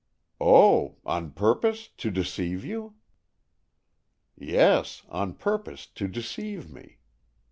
"Oh, on purpose to deceive you!" "Yes, on purpose to deceive me.